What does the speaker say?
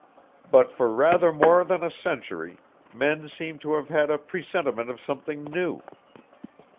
"But for rather more than a century, men seem to have had a presentiment of something new.